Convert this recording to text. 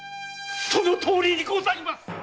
そのとおりにございます！